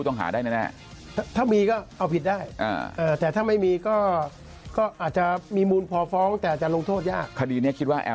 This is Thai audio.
ถ้าเขาถามนะสมมุติถ้าเขาทำ